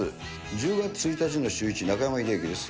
１０月１日のシューイチ、中山秀征です。